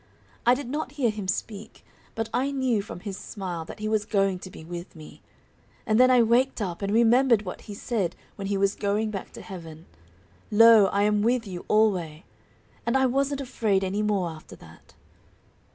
I did not hear Him speak, but I knew from His smile that He was going to be with me. And then I waked up and remembered what He said when He was going back to heaven, 'Lo, I am with you alway,' and I wasn't afraid any more after that."